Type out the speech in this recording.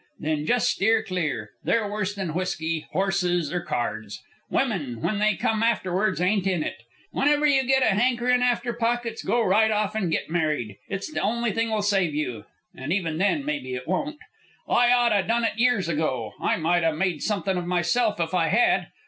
Then just steer clear. They're worse than whiskey, horses, or cards. Women, when they come afterwards, ain't in it. Whenever you get a hankerin' after pockets, go right off and get married. It's the only thing'll save you; and even then, mebbe, it won't. I ought 'a' done it years ago. I might 'a' made something of myself if I had.